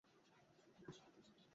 আরে মিমি কবে আসবে এখানে?